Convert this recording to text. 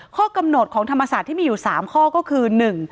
ข้อกำหนดของธรรมศาสตร์ที่มีอยู่๓ข้อก็คือ